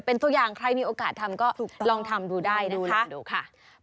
เป็นตัวอย่างใครมีโอกาสทำก็ลองทำดูได้นะคะดูค่ะ